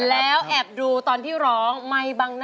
ถ้าเธอเจอกันได้แต่ไม่รู้กัน